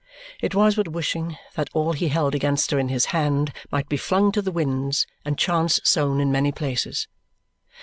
it was but wishing that all he held against her in his hand might be flung to the winds and chance sown in many places.